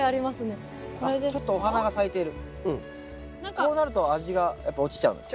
こうなると味がやっぱ落ちちゃうんですか？